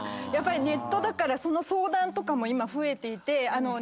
やっぱりネットだからその相談とかも今増えていて。